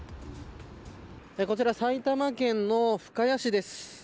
こちら埼玉県の深谷市です。